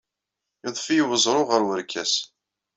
Yudef-iyi weẓru ɣer werkas.